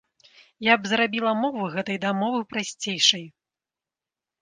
Я б зрабіла мову гэтай дамовы прасцейшай.